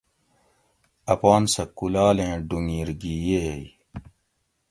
اپان سہ کُولالیں ڈُھونگیر گھی ییئے